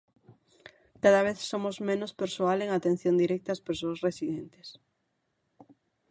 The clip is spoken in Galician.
Cada vez somos menos persoal en atención directa ás persoas residentes.